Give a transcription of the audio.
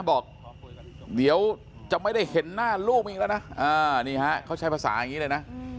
บอกเดี๋ยวจะไม่ได้เห็นหน้าลูกอีกแล้วนะนี่ฮะเขาใช้ภาษาอย่างนี้เลยนะ